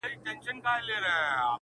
ګوندي دا خرابه خونه مو ګلشن شي-